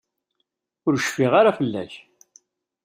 Ur cfiɣ ara fell-ak.